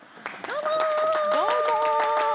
どうも！